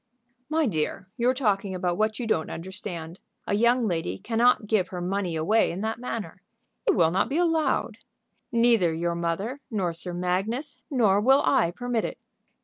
"My dear, you're talking about what you don't understand. A young lady cannot give her money away in that manner; it will not be allowed. Neither your mother, nor Sir Magnus, nor will I permit it."